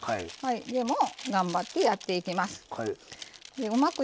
でも頑張ってやっていきます。